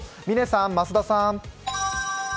嶺さん、増田さん。